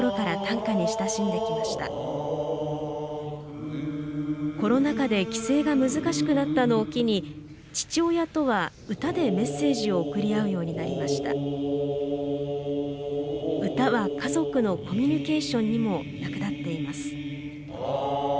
歌は家族のコミュニケーションにも役立っています。